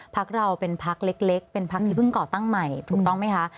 พรรคเราเป็นพรรคเล็กเป็นพรรคที่เพิ่งเกาะตั้งใหม่ถูกต้องไหมคะ